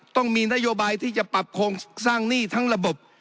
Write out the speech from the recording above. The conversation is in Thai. ต้องมีนโยบายที่จะปรับโครงสร้างหนี้ทั้งระบบ